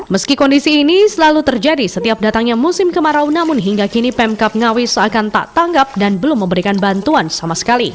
meski kondisi ini selalu terjadi setiap datangnya musim kemarau namun hingga kini pemkap ngawi seakan tak tanggap dan belum memberikan bantuan sama sekali